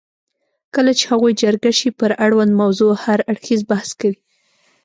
کله چې هغوی جرګه شي پر اړونده موضوع هر اړخیز بحث کوي.